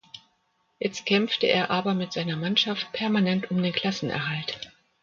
Jetzt kämpfte er aber mit seiner Mannschaft permanent um den Klassenerhalt.